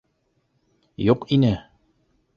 Юҡ ине!